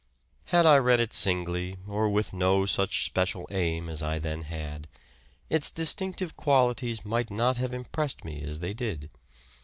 Had I read it singly or with no such special aim as I then had, its distinctive qualities might not have impressed me as they did.